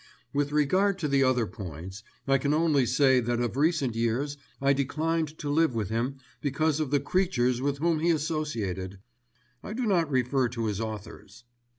With regard to the other points, I can only say that of recent years I declined to live with him because of the creatures with whom he associated—I do not refer to his authors.